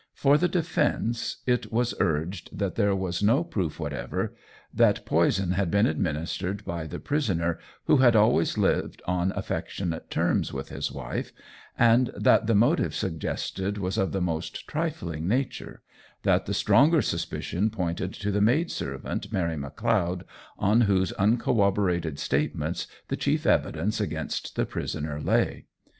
For the defence it was urged, that there was no proof whatever that poison had had been administered by the prisoner, who had always lived on affectionate terms with his wife, and that the motive suggested was of the most trifling nature; that the stronger suspicion pointed to the maidservant Mary McLeod, on whose uncorroborated statements the chief evidence against the prisoner lay.